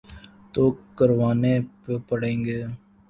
تو کروانے پڑیں گے۔